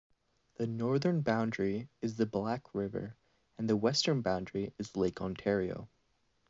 The northern boundary is the Black River and the western boundary is Lake Ontario.